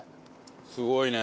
すごいね。